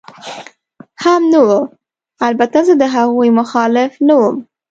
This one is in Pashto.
هم نه وه، البته زه د هغوی مخالف نه ووم.